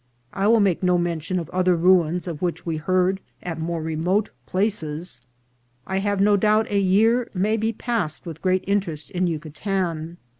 I will make no mention of other ruins of which we heard at more remote places. I have no doubt a year may be passed with great interest in Yucatan.